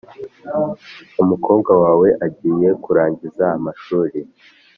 Umukobwa wawe agiye kurangiza amashuri